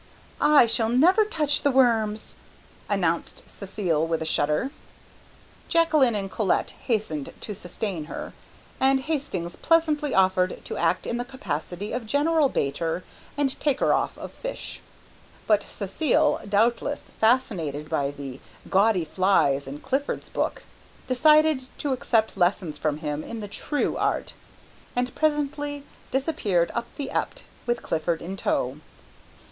"I shall never touch the worms," announced Cécile with a shudder. Jacqueline and Colette hastened to sustain her, and Hastings pleasantly offered to act in the capacity of general baiter and taker off of fish. But Cécile, doubtless fascinated by the gaudy flies in Clifford's book, decided to accept lessons from him in the true art, and presently disappeared up the Ept with Clifford in tow.